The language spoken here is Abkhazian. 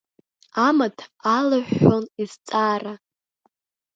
Амаҭ алыҳәҳәон изҵаара.